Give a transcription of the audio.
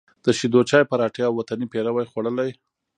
د شېدو چای، پراټې او وطني پېروی خوړلی،